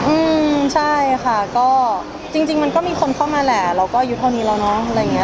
อืมใช่ค่ะก็จริงมันก็มีคนเข้ามาแหละเราก็อายุเท่านี้แล้วเนอะ